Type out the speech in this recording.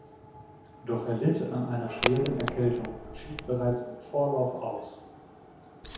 Doch er litt an einer schweren Erkältung und schied bereits im Vorlauf aus.